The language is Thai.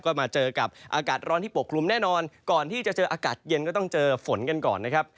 ก็มาเจอกับอากาศร้อนที่ปกคลุมแน่นอนก่อนที่จะเจออากาศเย็นก็ต้องเจอฝนกันก่อนนะครับ